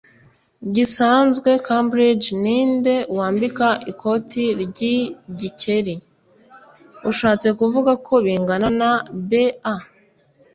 gisanzwe. 'cambridge? ninde wambika ikoti ry'igikeri? ushatse kuvuga ko bingana na b. a